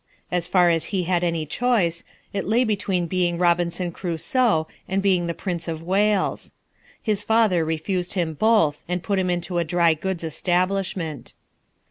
As far as he had any choice, it lay between being Robinson Crusoe and being the Prince of Wales. His father refused him both and put him into a dry goods establishment.